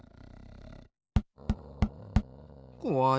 こわい。